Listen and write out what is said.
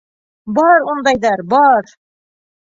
Бар ундайҙар, бар!..